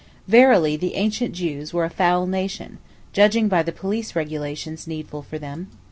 Verily the ancient Jews were a foul nation, judging by the police regulations needful for them.